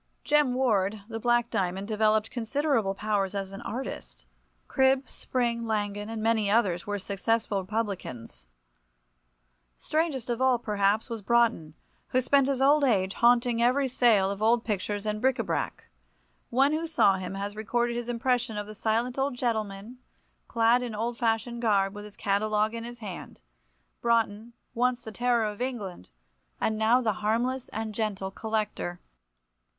Jem Ward, the Black Diamond, developed considerable powers as an artist. Cribb, Spring, Langan, and many others, were successful publicans. Strangest of all, perhaps, was Broughton, who spent his old age haunting every sale of old pictures and bric a brac. One who saw him has recorded his impression of the silent old gentleman, clad in old fashioned garb, with his catalogue in his hand—Broughton, once the terror of England, and now the harmless and gentle collector.